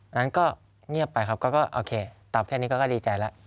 นั้นก็เงียบไปครับก็โอเคตอบแค่นี้ก็ดีใจแล้ว